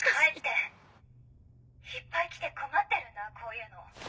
いっぱい来て困ってるんだこういうの。